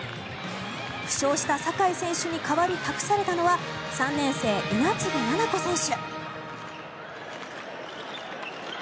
負傷した境選手に代わり託されたのは３年生、稲次菜々子選手。